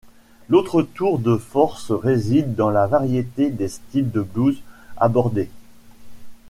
L’autre tour de force réside dans la variété des styles de blues abordés.